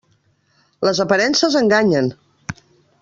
Les aparences enganyen!